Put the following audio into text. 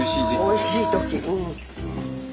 おいしい時うん。